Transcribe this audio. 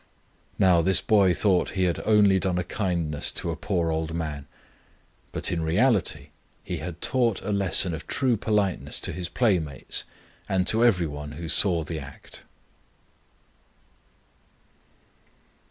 Now this boy thought he had only done a kindness to a poor old man, but in reality he had taught a lesson of true politeness to his playmates and to every person who saw the act."